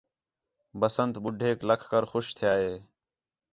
بسنت ٻُڈھیک لَکھ کر خوش تِھیا ہِے